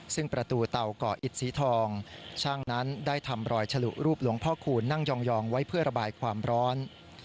ซึ่งประตูเตาก่ออิดสีทองช่างนั้นได้ทำรอยฉลุรูปหลวงพ่อคูณนั่งยองไว้เพื่อระบายความร้อน